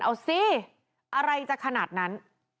เอาสิอะไรจะขนาดนั้น